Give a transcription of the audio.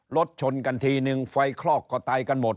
รถชนกันทีนึงไฟคลอกก็ตายกันหมด